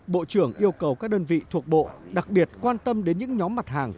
bộ trưởng yêu cầu các đơn vị thuộc bộ đặc biệt quan tâm đến những nhóm mặt hàng